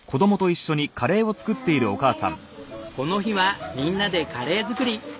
この日はみんなでカレー作り。